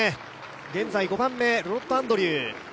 現在５番目、アンドリュー。